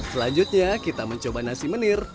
selanjutnya kita mencoba nasi menir